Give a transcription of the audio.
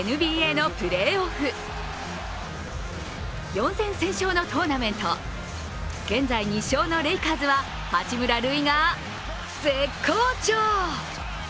４戦先勝のトーナメント、現在２勝のレイカーズは八村塁が絶好調。